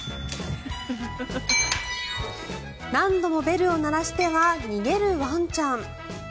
何度もベルを鳴らしては逃げるワンちゃん。